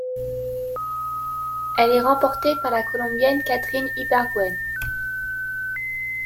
Elle est remporté par la Colombienne Caterine Ibargüen.